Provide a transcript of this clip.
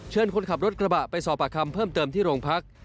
คนขับรถกระบะไปสอบปากคำเพิ่มเติมที่โรงพัก